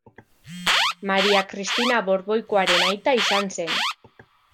Maria Kristina Borboikoaren aita izan zen.